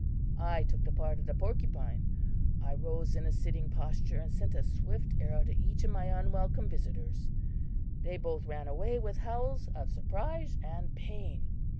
"I took the part of the porcupine! I rose in a sitting posture, and sent a swift arrow to each of my unwelcome visitors. They both ran away with howls of surprise and pain.